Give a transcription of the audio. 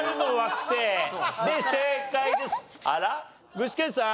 具志堅さん？